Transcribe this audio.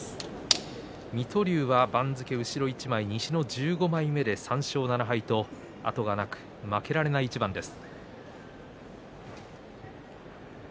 水戸龍は番付後ろ一枚西の１５枚目で３勝７敗と後がなく負けられない一番です。